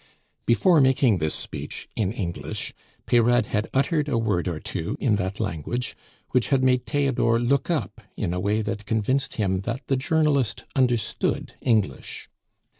Before making this speech in English, Peyrade had uttered a word or two in that language, which had made Theodore look up in a way that convinced him that the journalist understood English.